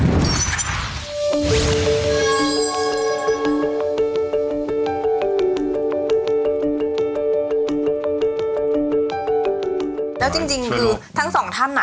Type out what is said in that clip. แล้วจริงคือทั้งสองท่านอ่ะ